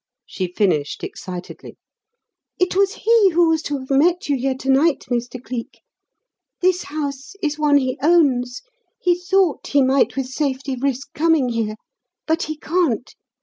she finished excitedly. "It was he who was to have met you here to night, Mr. Cleek. This house is one he owns; he thought he might with safety risk coming here, but he can't!